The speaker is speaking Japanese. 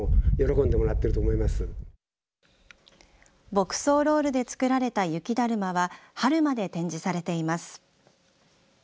牧草ロールで作られた雪だるまは春まで展示されています。